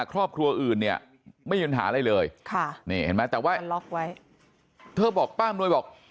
ครอบครัวอื่นเนี่ยไม่ยืนหาอะไรเลยค่ะแต่ว่าล็อกไว้เธอบอกป้าอำนวยบอก